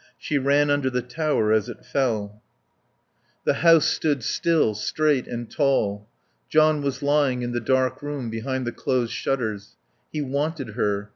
She ran under the tower as it fell. The house stood still, straight and tall. John was lying in the dark room behind the closed shutters. He wanted her.